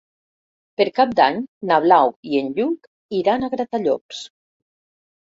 Per Cap d'Any na Blau i en Lluc iran a Gratallops.